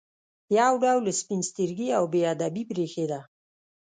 یو ډول سپین سترګي او بې ادبي برېښېده.